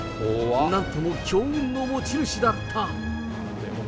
なんとも強運の持ち主だった。